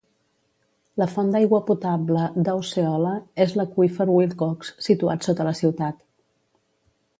La font d'aigua potable de Osceola és l'aqüífer Wilcox, situat sota la ciutat.